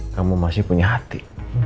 kamu masih punya hati